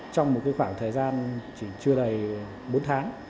trong một khoảng thời gian chưa đầy bốn tháng